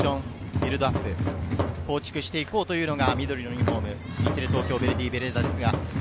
ビルドアップ、構築していこうというのが緑のユニホーム、ベレーザです。